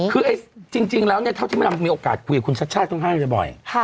คือจริงแล้วเนี่ยเท่าที่มันมีโอกาสคุยกับคุณชัชช่าต้องห้ามันจะบ่อย